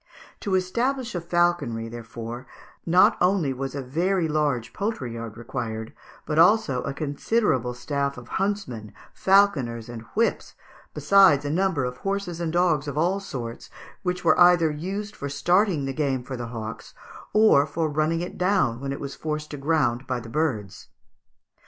To establish a falconry, therefore, not only was a very large poultry yard required, but also a considerable staff of huntsmen, falconers, and whips, besides a number of horses and dogs of all sorts, which were either used for starting the game for the hawks, or for running it down when it was forced to ground by the birds.